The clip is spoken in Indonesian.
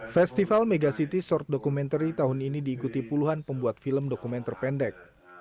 festival mega city short documentary tahun ini diikuti puluhan pembuat film dokumenter pendek